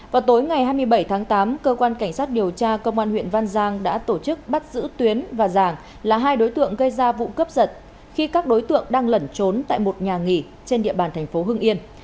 vào tối ngày hai mươi bảy tháng tám cơ quan cảnh sát điều tra công an huyện văn giang đã tổ chức bắt giữ tuyến và giảng là hai đối tượng gây ra vụ cướp giật khi các đối tượng đang lẩn trốn tại một nhà nghỉ trên địa bàn thành phố hưng yên